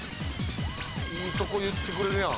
いいとこいってくれるやん。